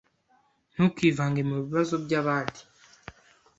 Ntukivange mubibazo byabandi.